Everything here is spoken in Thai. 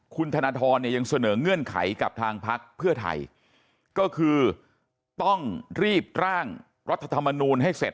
คุณธนทรเนี่ยยังเสนอเงื่อนไขกับทางพักเพื่อไทยก็คือต้องรีบร่างรัฐธรรมนูลให้เสร็จ